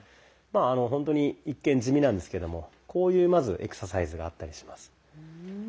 まあほんとに一見地味なんですけどもこういうまずエクササイズがあったりします。